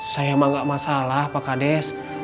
saya mah nggak masalah pak kandes